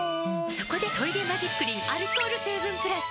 そこで「トイレマジックリン」アルコール成分プラス！